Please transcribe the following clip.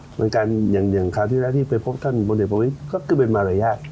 เหมือนกันอย่างคราวที่แล้วที่ไปพบท่านบนเด็กประวิทย์ก็คือเป็นมารยาท